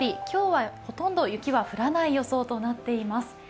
今日はほとんど雪は降らない予想となっています。